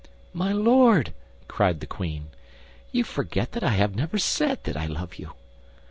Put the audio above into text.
"My Lord," cried the queen, "you forget that I have never said that I love you."